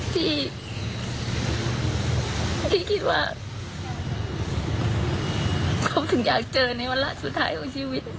ที่คิดว่าเขาถึงอยากเจอในวันละสุดท้ายของชีวิต